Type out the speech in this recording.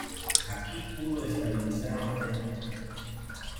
Aquí pudo estabilizar el frente.